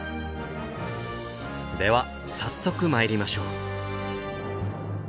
では早速参りましょう。